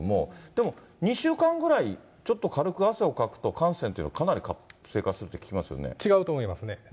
でも、２週間ぐらい、ちょっと軽く汗をかくと、汗腺っていうのはかなり活性化するって違うと思いますね。